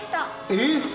えっ！